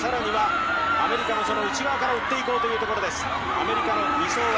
アメリカが内側から追って行こうというところ。